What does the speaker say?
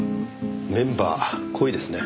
メンバー濃いですね。